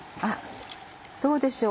どうでしょう？